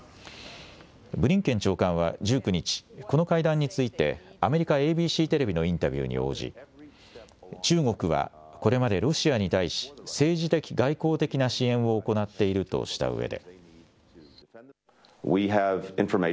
ブリンケン長官は１９日、この会談について、アメリカＡＢＣテレビのインタビューに応じ、中国はこれまでロシアに対し、政治的・外交的な支援を行っているとしたうえで。